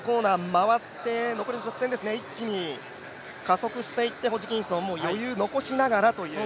回って残りの直線、一気に加速していってホジキンソン、もう余裕を残しながらという。